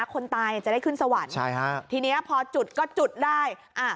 คนตายจะได้ขึ้นสวรรค์ใช่ฮะทีนี้พอจุดก็จุดได้อ่า